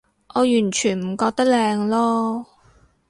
我完全唔覺得靚囉